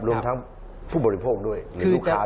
รวมทั้งผู้บริโภคด้วยหรือลูกค้า